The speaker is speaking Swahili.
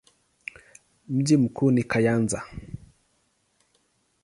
Mji mkuu ni Kayanza.